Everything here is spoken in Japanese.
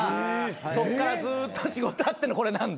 そっからずっと仕事あってのこれなんで。